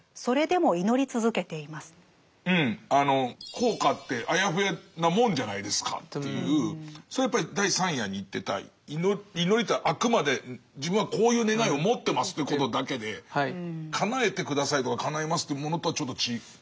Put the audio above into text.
効果ってアヤフヤなもんじゃないですかというそれはやっぱり第３夜に言ってた祈りとはあくまで自分はこういう願いを持ってますってことだけでかなえて下さいとかかなえますってものとはちょっと違う。